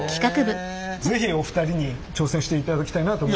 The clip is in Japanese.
是非お二人に挑戦していただきたいなと。